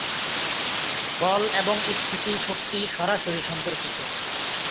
বল এবং স্থিতি শক্তি সরাসরি সম্পর্কিত।